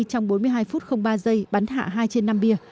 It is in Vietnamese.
trong bốn mươi hai phút ba giây bắn hạ hai trên năm bia